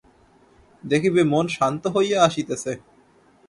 দেখিবে মন শান্ত হইয়া আসিতেছে।